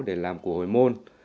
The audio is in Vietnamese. để làm của hồi môn